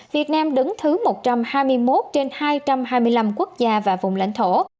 việt nam đứng thứ một trăm hai mươi một trên hai trăm hai mươi năm quốc gia và vùng lãnh thổ